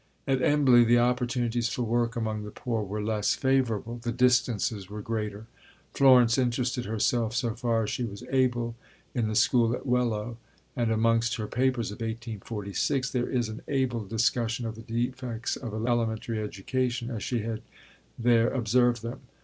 At Embley the opportunities for work among the poor were less favourable. The distances were greater. Florence interested herself, so far as she was able, in the school at Wellow; and amongst her papers of 1846 there is an able discussion of the defects of elementary education as she had there observed them.